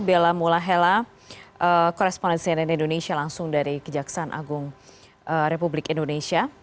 bela mulahela korespondensi rni indonesia langsung dari kejaksaan agung republik indonesia